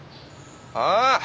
ああ！